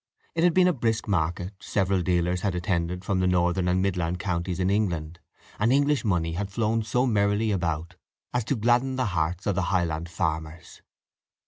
It had been a brisk market: several dealers had attended from the northern and midland counties in England, and English money had flown so merrily about as to gladden the hearts of the Highland farmers.